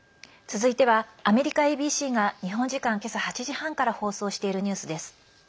続いては、アメリカＡＢＣが日本時間今朝８時半から放送しているニュースです。